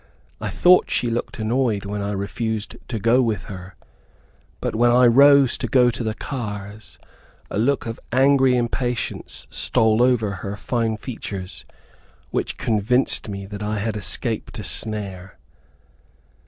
I thought she looked annoyed when I refused to go with her, but when I rose to go to the cars, a look of angry impatience stole over, her fine features, which convinced me that I had escaped a snare.